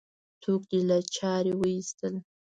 څوک دې له چارې وایستل؟